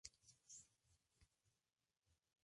Es internacional con la selección de fútbol de Argelia.